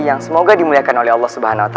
yang semoga dimuliakan oleh allah swt